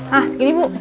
hah segini bu